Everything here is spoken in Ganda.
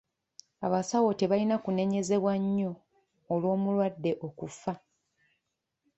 Abasawo tebalina kunenyezebwa nnyo olw'omulwadde okufa.